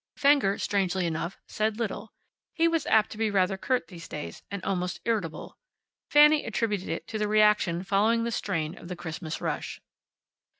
Fenger, strangely enough, said little. He was apt to be rather curt these days, and almost irritable. Fanny attributed it to the reaction following the strain of the Christmas rush.